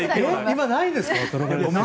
今、ないんですか？